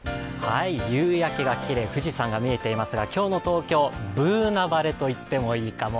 夕焼けがきれい、富士山が見えていますが、今日の東京、Ｂｏｏｎａ晴れといってもいいかも。